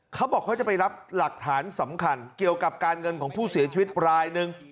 เขาบอกเขาจะไปรับหลักฐานสำคัญเกี่ยวกับการเงินของผู้เสียชีวิตรายหนึ่ง